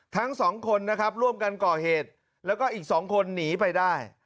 ทั้งสองคนนะครับร่วมกันก่อเหตุแล้วก็อีก๒คนหนีไปได้